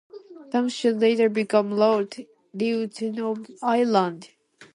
Townshend later became Lord Lieutenant of Ireland.